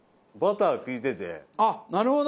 あっなるほど！